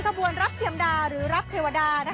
ขบวนรับเทียมดาหรือรับเทวดา